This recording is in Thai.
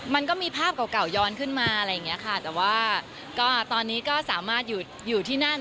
มันก็มีภาพเก่าเก่าย้อนขึ้นมาอะไรอย่างเงี้ยค่ะแต่ว่าก็ตอนนี้ก็สามารถอยู่ที่นั่น